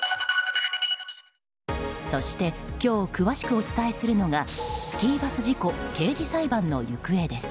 そして、今日詳しくお伝えするのがスキーバス事故刑事裁判の行方です。